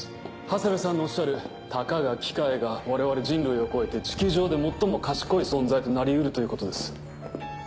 長谷部さんのおっしゃる「たかが機械」が我々人類を超えて地球上で最も賢い存在となりうるということです。